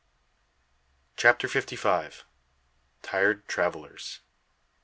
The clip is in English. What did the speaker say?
CHAPTER FIFTY FIVE. TIRED TRAVELLERS.